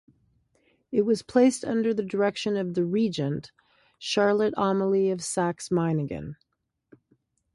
It was placed under the direction of the Regent, Charlotte Amalie of Saxe-Meiningen.